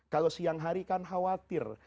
kalau siang hari kan khawatir